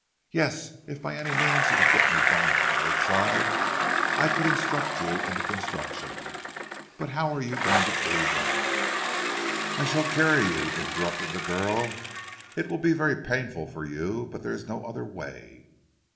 "Yes. If by any means you could get me down to the lake side, I could instruct you in the construction. But how you are going to do that " "I shall carry you," interrupted the girl. "It will be very painful for you, but there is no other way."